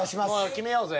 決めようぜ。